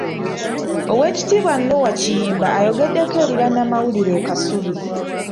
Oweekitibwa Noah Kiyimba ayogedeko eri bannamawulire e Kasubi.